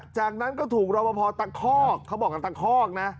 จากนั้นก็ถูกรบพอตะขอก